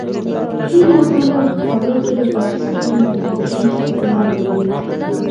تېر ماښام مې په کابل کې د پاکستان د ټلویزیون خبریال ولید.